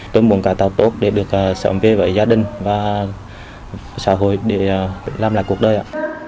tôi muốn cải tạo tốt để được sống về với gia đình và xã hội để làm lại cuộc đời ạ